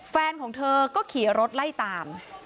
แฟนของเธอก็ขี่รถไล่ตาม